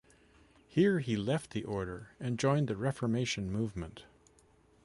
Here he left the order and joined the Reformation movement.